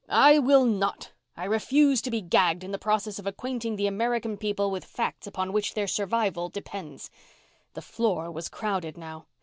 "I will not. I refuse to be gagged in the process of acquainting the American people with facts upon which their very survival depends." The floor was crowded now.